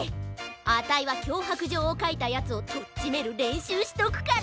あたいはきょうはくじょうをかいたヤツをとっちめるれんしゅうしとくから。